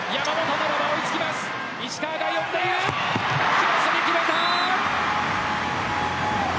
クロスで決めた！